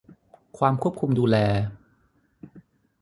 ความควบคุมดูแล